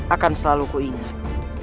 akan selalu kuingat